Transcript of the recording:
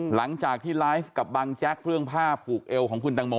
หลังที่รายการกับบังแจ๊กเครื่องภาพขูกเอาของคุณตางโม